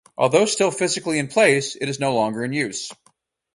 Although still physically in place, it is no longer in use.